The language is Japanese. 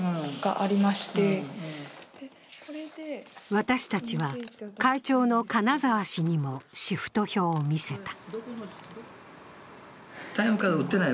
私たちは会長の金沢氏にもシフト表を見せた。